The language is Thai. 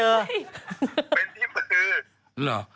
เป็นที่มือ